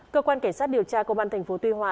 cơ quan cảnh sát điều tra công an tp tuy hòa